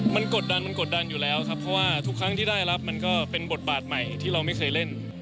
มันกดดันมันกดดันอยู่แล้วครับเพราะว่าทุกครั้งที่ได้รับมันก็เป็นบทบาทใหม่ที่เราไม่เคยเล่น